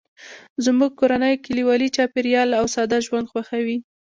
زموږ کورنۍ کلیوالي چاپیریال او ساده ژوند خوښوي